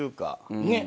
ねっ。